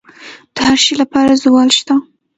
د هر شي لپاره زوال شته،